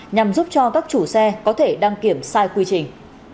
nhằm giúp cho các chủ xe có thể đăng kiểm sai quy trình